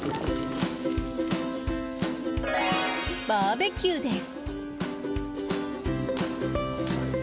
バーベキューです。